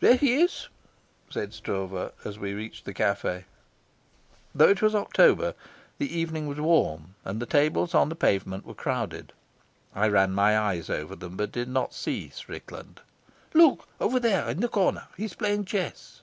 "There he is," said Stroeve, as we reached the cafe. Though it was October, the evening was warm, and the tables on the pavement were crowded. I ran my eyes over them, but did not see Strickland. "Look. Over there, in the corner. He's playing chess."